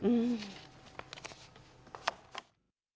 อืม